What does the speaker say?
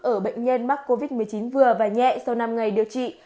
ở bệnh nhân mắc covid một mươi chín vừa và nhẹ sau năm ngày điều trị